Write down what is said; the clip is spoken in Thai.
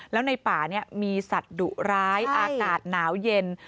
แล้วในป่ามีสัตว์ดุร้ายอากาศหนาวเย็น